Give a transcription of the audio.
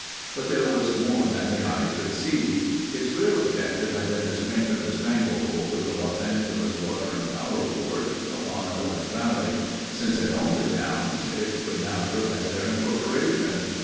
But there was more than the eye could see. Its real object had been to strengthen the strangle hold of the Los Angeles Water and Power board upon Owens Valley. Since it owned the towns it could now prevent their incorporation.